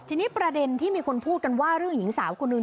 ทีนี้ประเด็นที่มีคนพูดกันว่าเรื่องหญิงสาวคนหนึ่ง